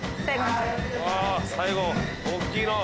最後大っきいの。